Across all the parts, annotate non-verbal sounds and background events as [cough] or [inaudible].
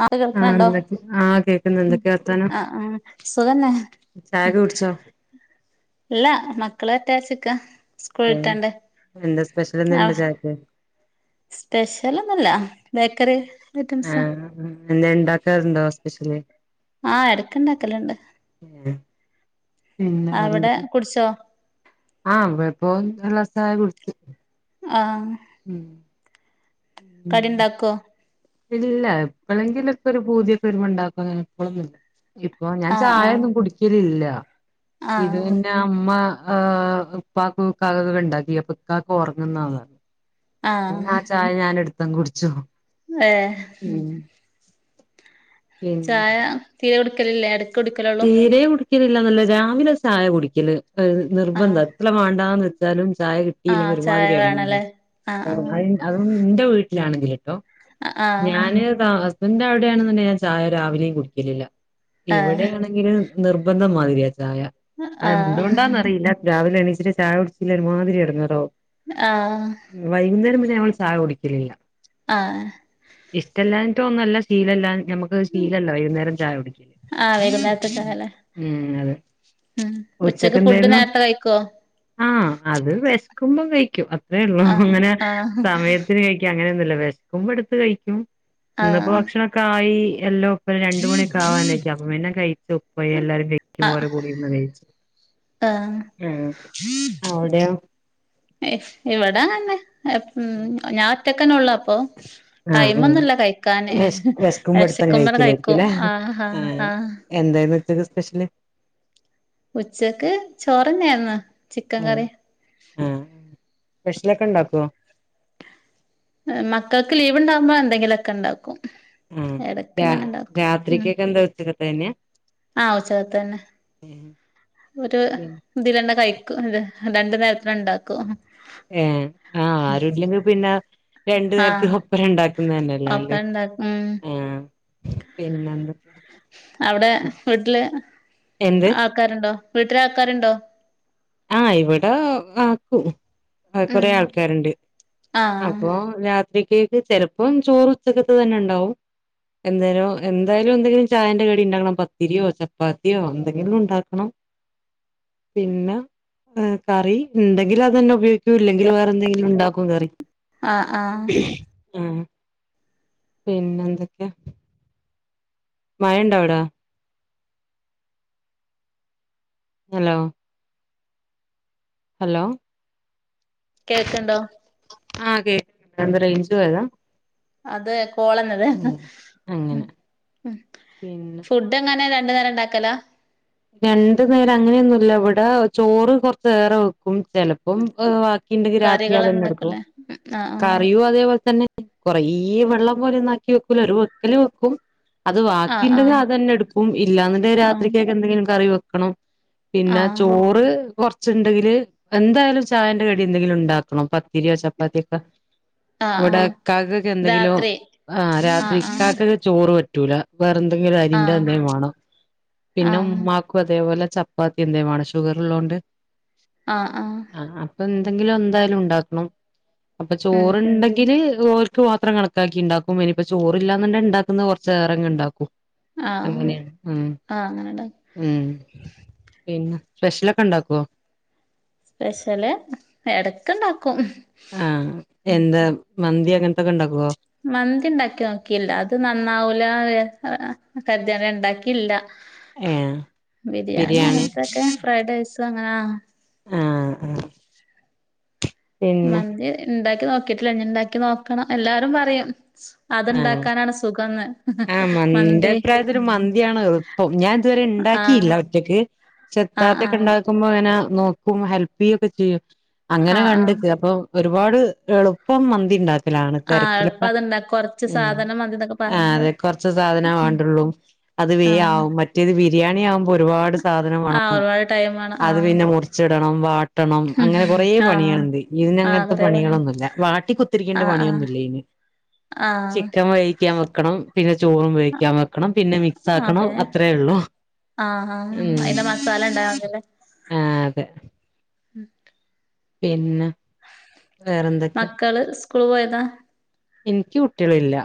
അത് ആഹ് കേൾക്കണണ്ടോ എന്തൊക്ക ആഹ് കേക്കുന്ന്ണ്ട് എന്തൊക്കെ വർത്താനം ആ ആ സുഖന്നെ ഉം ചായക്കെ കുടിച്ചോ ഇല്ല മക്കള് വരട്ടെവച്ച് നിക്കാ ഏഹ് എന്താ സ്പെഷ്യൽ എന്തോ ണ്ടൊ ചായക്ക് സ്പെഷ്യൽ ഒന്നൂല്ല ബേക്കറി ഐറ്റംസാ ആഹ് എന്തേലും ഇണ്ടാക്കാറുണ്ടോ സ്പെഷ്യല് ആഹ് എടക്ക്ണ്ടാക്കലുണ്ട് [unintelligible] പിന്നെ ആഹ് അവിടെ വേറെന്തൊക്കെ കുടിച്ചോ ആഹ് ഇവിടെപ്പം [unintelligible] കുടിച്ച് ആഹ് ഉം [unintelligible] ഇണ്ടാക്കോ ഇല്ല എപ്പളെങ്കിലൊക്കൊരു പൂതിയക്കരുമ്പ ഇണ്ടാക്കു [unintelligible] എപ്പളൊന്നുല്ല പ്പൊ ഞാൻ ആ ആ ചായൊന്നും കുടിക്കലില്ല ഇത് പിന്ന ആ അമ്മ ഉപ്പക്കുക്ക [unintelligible] ഇണ്ടാക്കിയപ്പ്ക്ക ഉറങ്ങുന്നതാണ് [unintelligible] ആ ഇന്നാ ചായ ഞാനെടുത്തങ് കുടിച്ചു എഹ് ഉം പിന്നെ ചായ തീരെ കുടിക്കലില്ലേ അട് തീരേ കുടിക്കലില്ലന്നല്ല രാവിലെ ചായ കുടിക്കല് ആ നിർബന്ത ല്ല വേണ്ടാന്ന് വെച്ചാലും ചായ ആ കിട്ടില്ലെങ്കില് ചായ ഒരുമാതിരി എടങ്ങേറ് വേണല്ലേ ആ ആ അതും ഇന്റ വീട്ടിലാണെങ്കില്ട്ടോ ആ ഞാന് ഹസ്ബന്റ് ന്റെ അവിടെയാണ്ന്ന്ണ്ടെങ്കി ഞാൻ ചായ രാവിലെയും കുടിക്കലില്ല ആ ഇവിടെയാണ് ങ്കില് നിർബന്ധം മാരിയ ചായ എന്തുകൊണ്ടാന്നറിയില്ലാ രാവിലെ എണീച്ചിട്ട് ചായ കുടിച്ചില്ലെങ്കി ഒരുമാതിരി എടങ്ങേറാവും ആഹ് വൈകുന്നേരം പിന്നെ നമ്മള് ചായ കുടിക്കലില്ല ആഹ് ഇഷ്ടല്ലാഞ്ഞിട്ടോന്നവല്ല ശീലല്ല ഞമ്മക്ക് ശീലല്ല വൈകുന്നേരം ചായ കുടിക്കല് ആഹ് വൈകുന്നേര ഉം അതെ ഉം ഉച്ചക്ക് ഫുഡ് ഉച്ചക്കെന്തായിരുന്നു നേരത്തെ കയിക്കോ ആഹ് അത് വേശ്ക്കുമ്പോ കയിക്കും അത്രേ ഉള്ളൂ ആഹ് അങ്ങനെ ആഹ് സമയത്തിന് കയി ക്ക അങ്ങനെയൊന്നുല്ല വെശ്ക്കുമ്പോ എടുത്ത് കയിക്കും ഇന്ന്പ്പോ ആഹ് ഭക്ഷണോക്കായി എല്ലോ [unintelligible] രണ്ട്‌ മണിയൊക്ക ആവാക്ക അപ്പ പിന്നെ കയിച്ചു പോയി എല്ലാരും കയ്ക്കുമ്പോ ആഹ് അവര്ടെ കൂടെയിരുന്ന് കയ്ച് ആഹ് ഉം അവ്ടെയോ [unintelligible] ഇവിടാങ്ങന്നെഉം ഞാഒറ്റക്കന്നൊള്ളൊ അപ്പൊ ആഹ് ആഹ് ടൈമൊന്നുല്ല കഴിക്കാന് വെശ് വെശക്കുമ്പോ എടുത്തങ്ങ് വെശക്കുമ്പണ്ട് കഴിക്കും കഴിക്കലായിരിക്കുംല്ലേ? ആഹ് ആഹ് ആഹ് എന്തായിരുന്നു ഉച്ചക്ക് സ്പെഷ്യല് ഉച്ചക്ക് ചോറന്നേർന്ന് ചിക്കൻ കറി ആഹ് സ്പെഷ്യലൊക്കെ ഇണ്ടാക്കോ? മക്കൾക്ക് ലീവ് ഇണ്ടാവുമ്പോ എന്തെങ്കിലൊക്കെ ഇണ്ടാക്കും ഉം രാ രാത്രിക്കെക്കെ എന്താ ഉച്ചക്കത്തന്നെ? ആഹ് ഉച്ചക്കത്തന്നെ ഉം ഒരു ഇതിലെന്ന കയിക്കും രണ്ടു നേരത്തിന് ഇണ്ടാക്കോ? ഏഹ് ആഹ് ആരുല്ലെങ്കി പിന്നെ രണ്ടു ആഹ് നേരത്ത്ക്കൊപ്പര ണ്ടാക്കുന്നന്നെല്ലെ ഒക്കെ നല്ലേ? ഇണ്ടാക്കും ഉം ആഹ് പിന്നെന്തെ അവിടെ വീട്ടില് എന്ത് ആൾക്കാര്ണ്ടോ? വീട്ടിലാൾക്കാരുണ്ടോ? ആഹ് ഇവിടെ നാത്തു ആഹ് ഉം കൊറെ ആൾക്കാര്ണ്ട് ആഹ് അപ്പോ രാത്രിക്കേക്ക് ചെലപ്പം ചോറുച്ചക്ക്ത്തെന്നെ ഇണ്ടാവും എന്തായാലോ എന്തായാലും എന്തെങ്കിലും ചായന്റെ കടി ഉണ്ടാക്കണം പത്തിരിയോ ചപ്പാത്തിയോ എന്തെങ്കിലും ഉണ്ടാക്കണം പിന്നെ? ഉം കറി ഇണ്ടെങ്കില് അതന്നെ ഉപയോഗിക്കൂ ഇല്ലെങ്കിൽ വേറെന്തെങ്കിലും ഉണ്ടാക്കും കറി ആഹ് ആഹ് ആഹ് പിന്നെന്തൊക്കെ? മഴണ്ടവിടെ? ഹലോ ഹലോ കേൾക്ക്ണ്ടോ ആഹ് കേക്ക്ണ്ട് എന്താ റേഞ്ച് പോയതാ? അതെ കോളെന്നെത്. ഉം മ് അങ്ങനെ പിന്നെ ഫുഡെങ്ങനെ രണ്ടു നേരംണ്ടാക്കല. രണ്ടു ന്നേരം അങ്ങനെയൊന്നുല്ല ഇവിടെ ചോറ് കൊറചേറെ വെക്കും. ചെല--ഉ പ്പം വാക്കിണ്ടെങ്കി രാത്രി കറികള് അതന്നെ ഇടുക്കും ഇണ്ടാക്കൂലേ ആഹ് കറിയും അതേപോലെ തന്നെ കൊറേ വെള്ളം പോലെയൊന്നാക്കി വെക്കൂല ഒരു വെക്കല് വെക്കും. അത് ആഹ് വാക്കിണ്ടെങ്കി അതെന്നെടുക്കും ഇല്ലാന്നിണ്ടെങ്കി ആഹ് രാത്രിക്കാക് എന്തെങ്കിലും കറി വെക്കണം. ആഹ് പിന്ന ആഹ് ചോറ് കൊറ ച്ച്ണ്ടെങ്കില് എന്തായാലും ചായന്റെ കടി എന്തെങ്കിലും ഉണ്ടാക്കണം. പത്തിരിയോ ചപ്പാത്തിയൊക്കെ ആഹ് ഇവിടെ ആഹ് ഇക്കാക്കൊക്കെന്തെങ്കിലും രാത്രി ആ രാത്രി ആഹ് ഇക്കാക്ക് ചോറ് പറ്റൂല. വേറെന്തെങ്കിലും അരിന്റെ ആഹ് എന്തേലും വേണം. ആഹ് പിന്നെ ആഹ് ഉമ്മാക്കും അതേപോലെ ചപ്പാത്തി എന്തേ ലുംവേണം ഷുഗറ്ള്ളോണ്ട്. ആഹ് ആഹ് ആ അപ്പൊ എന്തെങ്കിലും എന്തായാലും ഉണ്ടാക്കണം അപ്പൊ ഉം ചോറുണ്ടെങ്കില്. ഓല്ക്ക് മാത്രം കണക്കാക്കി ഇണ്ടാക്കും. എന്നിപ്പ ചോറില്ലാന്നുണ്ടെ ഇണ്ടാക്കുന്നത് കുറച്ചേറങ്ങ്ണ്ടാക്കും. ആഹ് ആഹ് അങ്ങനെണ്ട ഉം പിന്നെ സ്പെഷ്യലൊക്കെ ഉണ്ടാക്കുവോ. പെഷ്യല് എടക്ക്‌ണ്ടാക്കും. ആ എന്താ മന്തി അങ്ങനത്തെ ഒക്കെണ്ടാക്കുവോ? മന്തിണ്ടാക്കി നോക്കില്ല അത് നന്നാവൂല ആ കരുതി ഇണ്ടാക്കില്ല. ഏഹ് ബിരിയാണി അങ്ങനത്തക്കെ ഫ്രൈഡ് റൈസ് അങ്ങനാ ഹാ ആഹ് പിന്നെ മന്തി ഇണ്ടാക്കി നോക്കിട്ടില്ല ഇനി ഇണ്ടാക്കി നോക്കണം. എല്ലാരും പറയും. ആഹ് അത്ണ്ടാക്കാനാണ് സുഖന്ന്. ആഹ് മ്മ് ഇന്റെ അഭിപ്രായത്തില് മന്തിയാണ് എളുപ്പം ഞാൻ ഇതുവരെ ആഹ് ഇണ്ടാക്കിയില്ല ഒറ്റക്ക്. ച ആഹ് തത്ത ആഹ് യൊക്കെണ്ടാക്കുമ്പോ അങ്ങനെ നോക്കും ഹെല്പിയ്യൊക്കെ ചെയ്യും. അങ്ങനെ ആഹ് ആഹ് കണ്ടിക്ക്‌ അപ്പൊ ഒരുപാട് എളുപ്പം മന്തി ഇണ്ടാ--ഉ ലാണ് ആഹ് തെരക്കിലിപ്പ എളുപ്പം അത്ണ്ടാ കൊറച്ച് മ്മ് സാധനം മതിന്നൊക്കെ ആ പറഞ്ഞ് അതെ കുറച്ച് സാധന വേണ്ടുള്ളു അത് വേ ആഹ് ആവു മറ്റേത് ബിരിയാണിയാവുമ്പോ ഒരുപാട് സാധനം ആഹ് വേണം. ഒരുപാട് ടൈം വേണം അത് ആഹ് പിന്നെ മുറിച്ചിടണം വാ ട്ടണം അങ്ങനെ കുറേ ആഹ് പണിയളുണ്ട്. ആഹ് ഇയിനങ്ങത്തെ കൊറേ പണിയാണ് പണികളൊന്നുല്ല വാട്ടി കുത്തിരിക്കണ്ട ആഹ് പണിയൊന്നുല്ല ഇതിന്.. ആഹ് ചിക്കൻ വേവിക്കാൻ വെക്കണം. പിന്നെ ചോറും വേവിക്കാൻ വെക്കണം. പിന്നെ മിക്സാക്കണം. അത്രേയൊള്ളു. ആ ആഹ് അയിന്റെ മസാല ഇണ്ടാ അങ്ങനെ ആ അതെ പിന്നെ വേറെന്തൊക്കെയാ മക്കള് സ്കൂള് പോയതാ ഇനിക്ക് കുട്ടികളില്ല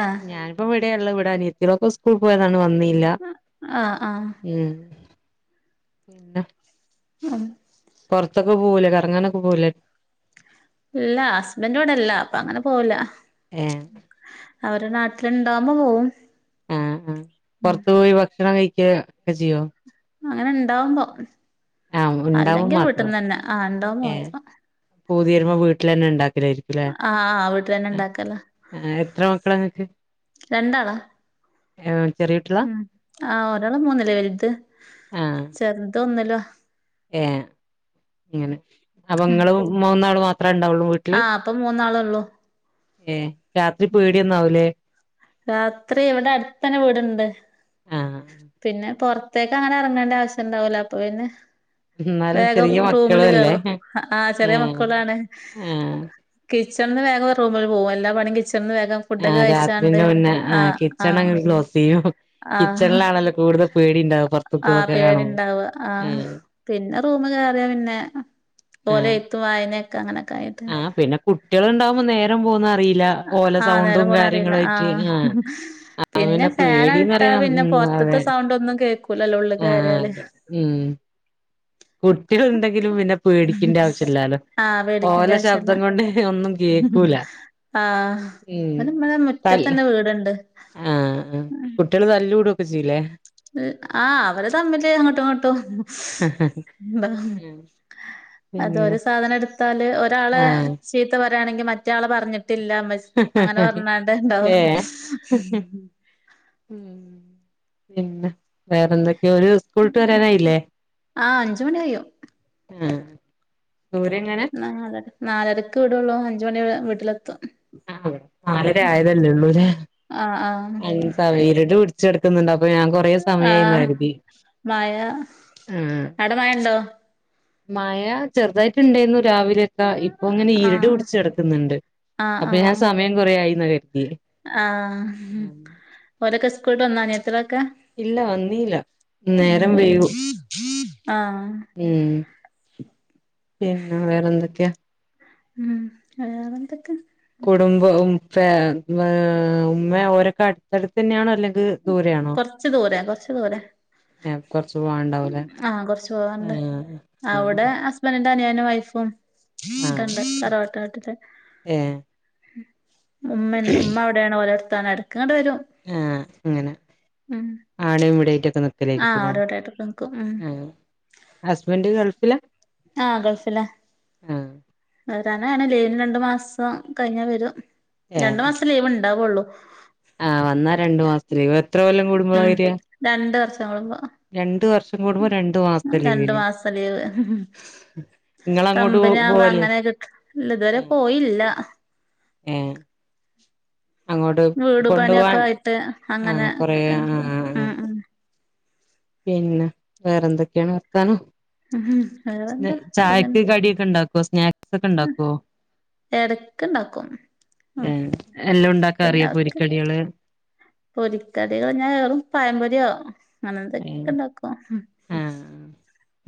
ആഹ് ഞാനിപ്പോ ഇവിടെയാള്ളത്. ഇവിടെ അനിയത്തീടൊക്കെ സ്കൂള് പോയതാണ്. വന്നി ല്ല ആഹ് ആഹ് മ്മ് പിന്നെ ആഹ് പൊറത്തൊക്കെ പോവുലെ കറങ്ങാനൊക്കെ പോവൂലെ? ഇല്ല ഹസ്ബന്റിവിടെല്ല അപ്പൊ അങ്ങനെ പോവൂല. ഏഹ് അവര് നാട്ടിലുണ്ടാവകവുമ്പോ പോവും. ആ ആഹ് ഉം പൊറത്തു പോയി ഭക്ഷണം കഴിക്കുക ഒക്കെ ചെയ്യോ? അങ്ങനെണ്ടാവുമ്പോ ആഹ് ഉണ്ടാവുമ്പോ അല്ലെങ്കി മാത്രം വീട്ട്ന്നന്നെ ആ ഇണ്ടാവമ്പോ മാത്രം. പൂതിവരുമ്പോ വീട്ടിലെന്നെ ഇണ്ടാക്കയിരി ആഹ്, ആഹ്‌, വീട്ടിലെന്നെ ഇണ്ടാക്കലാ ആഹ്‌, എത്ര മക്കളാ നിങ്ങൾക്ക് രണ്ട് ആൾ. ആഹ്‌, ചെറിയുട്ടി ഉം, ആഹ്‌, ഒരാള് മൂന്നില വലുത് ആഹ് ചെറുത് ഒന്നിലും ഏഹ്, ഇങ്ങനെ. അപ്പ നിങ്ങള് മൂന്നാള് മാത്രെ ഉണ്ടാവുളു വീ ആഹ്, അപ്പം മൂന്നാളൊ ള്ളൂ. ഏഹ്, രാത്രി പേടി ഒന്നാവുലേ? രാത്രി ഇവ്ട അടുത്തൊക്കെ വീട്ണ്ട് ആഹ് പിന്ന, പൊറത്തേക്ക് അങ്ങനെ എറങ്ങണ്ട ആവശ്യണ്ടാവൂല അപ്പ പിന്നെ എന്നാലും വേഗം ചെറിയ റൂമില് മക്കളും അല്ലേ കെറും. അ, ആഹ്, ചെറിയ മക്കളാണ് ആഹ് കിച്ചൺന്ന് വേഗം റൂമിൽ പോവും. എല്ലാ പണിയും കിച്ചൺന്ന് വേഗം ഫുഡൊക്കെ ആഹ്‌, കഴിച്ചാണ്ട് രാത്രിന്റെ മുന്നേ ആഹ്‌ ആഹ് ആഹ് കിച്ചണങ്ങ് ക്ലോസ് ചെയ്യും. കിച്ച ത് ആഹ് ഇള്ളാളല്ലേ കൂട്തൽ പേടി ഇണ്ടാവ. പുറമെ ഉള്ളതൊക്കെ കാണുമ്പോ. ഉം പിന്ന റൂമ് കേറിയാ പിന്നെ ഓലെ ആഹ് എഴു ത്തും വായന ഒക്കെ അങ്ങനെ ഒക്കെ ആയിട്ട് ആഹ്, പിന്ന കുട്ടികള് ഉണ്ടാവുമ്പോ നേരം പോകുന്നത് അറിയില്ല. ഓല ആഹ് നേരം സൗണ്ടും പോണ അറിയില്ല കാര്യങ്ങളു ആയിട്ട് ആഹ്, അപ്പോൾ പിന്നെ പേടീന്ന് ഫാനാട്ടാ പറയാം. പിന്നെ ഉം പൊറത്ത്ത്തെ അതെ സൗണ്ട് ഒന്നും കേൾക്കൂല ല്ലോ? ഉള്ള് ആഹ് കെറിയാല് ഉം കുട്ടികള് ഇണ്ടെങ്കിലും പിന്ന പേടിക്കണ്ട ആവശ്യല്ലാ ലൊ ആഹ്, പെടിക്കണ്ട ആവശ്യല്ല. കേക്കൂല ആഹ് ഉം ന്ന് മ്മ് ടെ മു തല്ല് മുറ്റത്തന്നെ വീട്ണ്ട് ആഹ്, കുട്ടികള് തല്ല് കൂടു ഒക്കെ ചെയ്ല്ലേ? ആഹ്, അവര് തമ്മില് അങ്ങോട്ടും ഇങ്ങോട്ടും. മ്പം പിന്നെ അതൊര് സാധനം എടുത്താല് ഒരാളെ ആഹ് ചീത്ത പ ഇവ്ടാണെങ്കി മറ്റെ ആള് പറഞ്ഞിട്ടില്ല ഉമ്മച്ചി അങ്ങന പറഞ്ഞ് ഉണ്ടാവും. ഏഹ് ഉം പിന്നെ വേറെന്തക്കെയ ഒരു സ് ക്കൂള് വിട്ട് വരാനായില്ലേ? ആഹ് അഞ്ച് മണി കഴിയും ആഹ്, ദൂരെ എങ്ങാന നാലര നാലരക്ക് വിടുള്ളൂ. അഞ്ച്മണി അ വീട്ടിലെത്തും ആന്ന് നാലര ആയതല്ലേ ഉള്ളൂ ല്ലേ ആഹ് ആഹ് അഞ്ച് സവെലിട് പിടിച്ച് കടക്ക്ന്നുണ്ട്. അപ്പൊ ഞാൻ കൊർ കൊറേ സമയം ആയിന്ന് ആഹ് കരുതി. മഴ ആഹ് അവിടെ മഴ ഉണ്ടോ? മഴ ചെറുതായിട്ട് ഇണ്ടാര്ന്നു രാവിലെ ദാ ഇപ്പൊ ഇങ്ങനെ ഇരുട് ആഹ് പിടച്ച് കെടക്കുന്നുണ്ട് ആഹ് അപ്പൊ ഞാൻ ആഹ് സമയം കൊറേ ആയിന്ന കര്തിയേ ആഹ്, അവരൊക്കെ സ്കൂള് വിട്ട് വന്നോ. അനിയത്തികളൊക്കെ? ഇല്ല വന്നീല നേരം വൈകും ആഹ് ആഹ് ഉം, പിന്ന വേറെന്തക്കെയാ. ഉം, വേറെ എന്തൊക്കെ കുടുംബ ഉം ഫാമ് വ് ഉമ്മ യൊ അവരൊക്കെ അടുത് ട്ത്ത് തന്നെയാണോ? അല്ലെങ്ക് ഉം കൊറച്ച് ദൂര കൊറച് ദൂര ഏഹ് കൊറച്ച് പോവാണ്ടാവൂലേ ആഹ്, കൊറച്ച് പോവാണ്ട്. ആഹ് ആഹ് അവ്ടെ ഹസ്‌ രണ്ട് അനിയനു വൈഫും ഒക്കെ ആഹ് ഉണ്ട് തറവാട്ട് വീട്ടില്. ഏഹ് ഉമ്മൻ ഉമ്മ അവിടെയാണ് ഓലടുത്താണ് ഇടക്ക് ഇങ്ങോട്ട് വെരും ആ അങ്ങനെ ആണ് ഇവിടായിറ്റൊക്കെ ആഹ് നിക്കലായിരിക്കൂലേ അവിടെ ഇവിടെയായിട്ടൊക്കെ നിക്കും ഉം ആ ഹസ്ബന്റ് ഗൾഫിലാ ആ ഗൾഫിലാ ആഹ് വരാനാണ് ലീവിന് രണ്ടുമാസം കഴിഞ്ഞാവെരും രണ്ടുമാസം ലീവൊണ്ടാവൊള്ളു ആ വന്നാ രണ്ടുമാസത്തെ ലീവ് എത്രകൊല്ലം കൂടുമ്പളാവെര്യ രണ്ടുവർഷം കൂടുമ്പോ രണ്ടുവർഷം കൂടുമ്പോ രണ്ടുമാസത്തെ രണ്ടു ലീവില് മാസം കമ്പനിയാവുമ്പോ അങ്ങനെക്കിട്ട് ഇതുവരെ പോയില്ല ഏ വീടു കൊണ്ടുപോവാൻ പണിയൊക്കെയായിട്ട് അങ്ങനെ ആഹ് കൊറേ ആഹ് കഴിഞ്ഞുടാ ആഹ് ആ ആഹ് അ. പിന്നെ വേറെന്തൊക്കെയാണ് വർത്താനം ഉം വേറെന്താ ചായക്ക് സുഖന്നെ കടിയൊക്കെ ഒണ്ടാ പ്പോ സ്നാക്സൊക്കെ ഒണ്ടാക്കുവോ എടക്കൊണ്ടാക്കും. ആ എല്ലാ ഒണ്ടാക്കാൻ അറിയൊ പൊരിക്കടികള്. പൊരിക്കടികളഞാ വെറും പഴംമ്പൊര്യോ അങ്ങനെതൊക്കെ ഒണ്ടാക്കും. ആ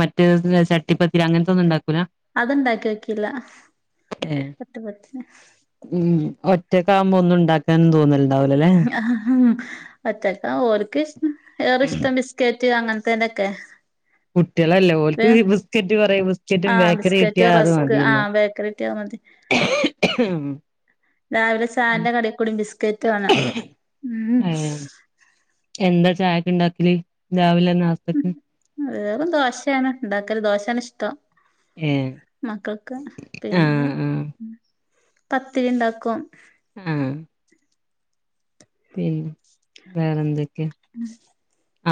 മറ്റേതുഞാ ചട്ടിപ്പത്തിരി അങ്ങനത്തൊന്നും ഉണ്ടാക്കൂല. അതൊണ്ടാക്കി നോക്കിയില്ല ഏഹ് ചട്ടിപ്പത്തിരി ഉം ഒറ്റക്കാവുമ്പോ ഒന്നും ഉണ്ടാക്കാനും തോന്നില ആ ഒറ്റക്കാ ഓർക്കിഷ് ഏറെഇഷ്ടം ബിസ് ക്കേറ്റ് അങ്ങനത്തേന്റൊക്കെ. കുട്ടികളല്ലേ ഓൽക്ക് ബിസ്ക്കറ്റുപറയും ബിസ്കറ്റും ആഹ് ബേക്കറി ബിസ്ക്കറ്റ് കിട്ടിയാ റസ്ക് അതുമതിയല്ലോ. ആഹ് ബേക്കറി കിട്ടിയാ മതി [inaudible] രാവിലെ ചായന്റേ കടിംകൂടി ബിസ്കറ്റുവേണം ഉം. ഏഹ് എന്താ ചായക്കൊണ്ടാക്കല് രാവിലെ ഹസ് ആ വേറേ ദോശയാണ് ഒണ്ടാക്കല് ദോശയാണ് ഇഷ്ടം. ഏ മക്കൾക്ക് പിന്നെ പത്തിരി ഇണ്ടാക്കും. ആ പിന്നെ വേറെന്തൊക്ക്യാ [unintelligible]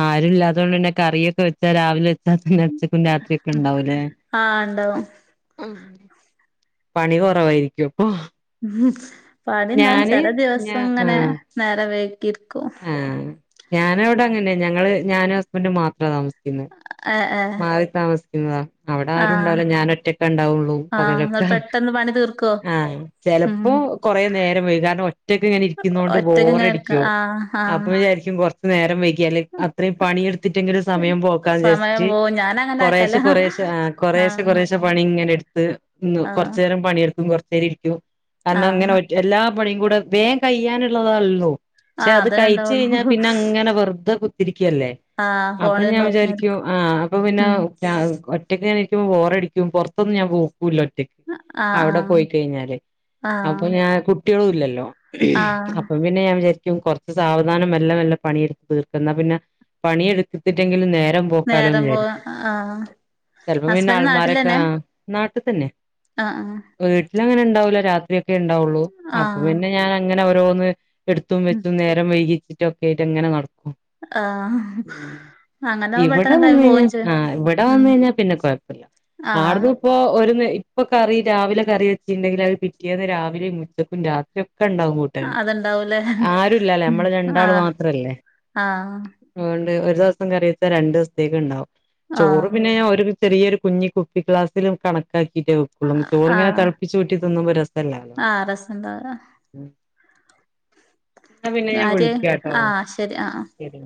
ആരും ഇല്ലാതൊണ്ടന്നെ കറിയൊക്കെ വെച്ചാ രാവിലെ വെച്ചാ തന്നെ ഉച്ചക്കും രാത്രിയൊക്കെയൊണ്ടാവൂലേ. ആ ഉണ്ടാവും പണി കൊറവായിരിക്കും അപ്പൊ. ഉം പണിയെന്നാലും ഞാന് ചെലദിവസങ്ങനെ നേരം വൈകിയിരിക്കും. ആ ഞാനിവിടെ അങ്ങനെയാ ഞങ്ങള് ഞാനും ഹസ്ബൻഡും മാത്രാ താമസിക്കുന്നെ. ഏ ഏ മാറിതാമസിക്കുന്നതാ അവിടെ ആ ആരും ഉണ്ടാവൂല്ല ഞാൻ ഒറ്റൊക്കെണ്ടാവുള്ളൂ പകലൊക്കെ. ഇന്ന് പണിതീർക്കോ. ആ ചെലപ്പോ കൊറെനേരം വൈകും കാരണം ഒറ്റക്കിങ്ങനെ ഇരിക്കുന്നൊണ്ട് ഒറ്റക്ക് ഇങ്ങനെ ബോറടി ഇരിക്ക ആ ഹാ. രിക്കും കൊറച്ചുനേരം വൈകിയാല് അത്രേം പണിയെടുത്തിട്ടെങ്കിലും സമയം സമയം പോക്കാന്നുവിചാരിച്ച് പോവും ഞാൻ അങ്ങനെ ആക്കല്ല കൊറേശെ കൊറേശെ ആ ആ കൊറെശെ കൊറേശ് ച്ച് പണിയിങ്ങനെയെടുത്ത് ആ കൊറച്ചേരം പണിയെടുക്കും കൊറച്ചേരം ഇരിക്കും ആ കാരണം അങ്ങനെയൊരു എല്ലാം പണിയുംകൂടെ വേഗം കയിയാനുള്ളതാണല്ലോ. ആഹ് അതെ. ച്ചയിഞ്ഞാ പിന്നെ അങ്ങനെ വെറുതെ കുത്തിരിക്കല്ലേ. ആ അപ്പൊ ഫോണിൽ ഞാൻ നോക്കി ഇരിക്കും വിചാരികക്കും ആ അപ്പൊ പിനെ ഉം ആഹ് ഒറ്റയ്ക്കിങ്ങനെരിക്കുമ്പോ ബോറടിക്കും പൊറത്തൊന്നും ഞാൻ പോക്കൂല്ലോ ഒറ്റയ്ക്ക്. അവിടെ ആഹ് പോയി കയിഞ്ഞാല് ആഹ് അപ്പൊ ആഹ് ഞാൻ. കുട്ട്യോളുല്ലല്ലോ ആഹ് അപ്പൊ പിന്നെ ഞാൻ വിചാരിക്കും കൊറ. സാവധാനം മെലെ മെലെ പണിയെടുത്ത് തീർക്കന്ന പിന്നെ പണിയെടുക്കത്തിട്ടെങ്കിലും നേരം. നേരം പോവാ ആഹ്‌. ചെലപ്പം പിന്നെ ആൾമാരൊക്കെ ആഹ് നാട്ടിതന്നെ. ആഹ് വീട്ടില അങ്ങനെ ഉണ്ടാവൂല്ല രാത്രിയൊക്കെണ്ടാവൊള്ളൂ അപ്പൊ ആഹ് പിന്നെ ഞാൻ അങ്ങനെ ഓരോന്ന് എട്. ത് നേരം വൈകിച്ചിട്ടൊക്കെയിട്ടങ്ങനെ നടക്കും. ഉം ആഹ്. അങ്ങനെ ഇവിടെ പെട്ടന്ന് ടൈം വന്ന് കഴിഞ്ഞാ പോയിചെയ്യും ആഹ് ഇവിടെ ഉം വന്ന് കഴിഞ്ഞാ പിന്നെ കൊഴപ്പല്ല ആഹ് ആട്ന്ന് ഇപ്പോ ഒരു ഇപ്പൊ കറി രാവിലെ കറി വെച്ചിണ്ടെങ്കിൽ അത് പിറ്റേന്ന് രാവിലെയും ഉച്ചക്കും രാത്രി ഒക്കെ ഉണ്ടാവും കുട്ടാൻ ആഹ് അത്ണ്ടാവൂലേ ആഹ ആഹ. [unintelligible] ദെവസം കറിവെച്ചാ രണ്ടുസത്തേക്ക് ണ്ടാാവും. ചോറ് ആഹ് പിന്നെ ഞാഒര് ചെറിയൊരു കുഞ്ഞി കുപ്പിക്ലാസില് കണക്കാക്കീറ്റെ വെക്കുള്ളു. ചോറിങ്ങനെ ആഹ് തളപ്പിച്ചൂറ്റി തിന്നുമ്പോ രസ ആഹ് രസണ്ടാവ്‌ല മ് എന്നാ പിന്നെ ഞാൻ കാര്യായി വിളിക്കാട്ടോ ആഹ് ശരി ആഹ് ആഹ് ശരി